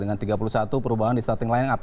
dengan tiga puluh satu perubahan di starting line up